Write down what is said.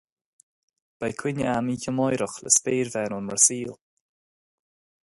Beidh coinne agam oíche amárach le spéirbhean ón mBrasaíl